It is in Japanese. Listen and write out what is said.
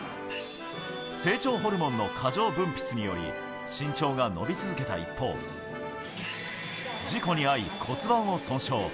成長ホルモンの過剰分泌により、身長が伸び続けた一方、事故に遭い、骨盤を損傷。